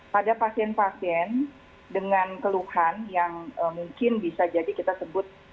pada pasien pasien dengan keluhan yang mungkin bisa jadi kita sebut